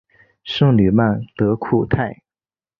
圣吕曼德库泰。